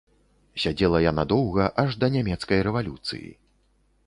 Сядзела яна доўга, аж да нямецкай рэвалюцыі.